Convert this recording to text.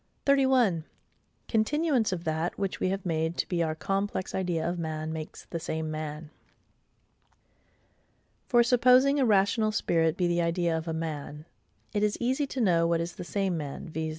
Continuance of that which we have made to be our complex idea of man makes the same man. For, supposing a rational spirit be the idea of a MAN, it is easy to know what is the same man, viz.